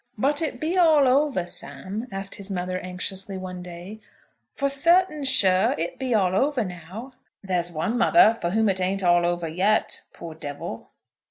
"But it be all over, Sam?" asked his mother, anxiously one day. "For certain sure it be all over now?" "There's one, mother, for whom it ain't all over yet; poor devil."